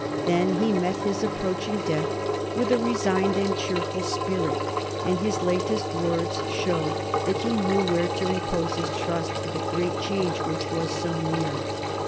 Then he met his approaching death with a resigned and cheerful spirit, and his latest words showed that he knew where to repose his trust for the great change which was so near.